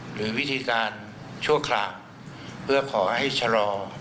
หรือวิธีการชั่วคราวเพื่อขอให้ชะลอ